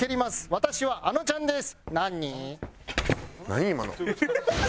「私はあのちゃんです」。